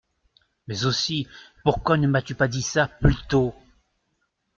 Mais aussi, pourquoi ne m’as-tu pas dit ça plus tôt ?